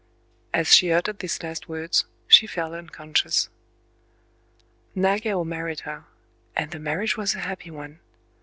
As she uttered these last words, she fell unconscious. Nagao married her; and the marriage was a happy one.